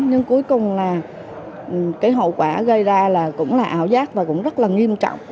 nhưng cuối cùng là cái hậu quả gây ra là cũng là ảo giác và cũng rất là nghiêm trọng